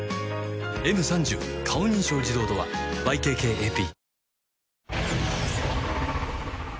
「Ｍ３０ 顔認証自動ドア」ＹＫＫＡＰ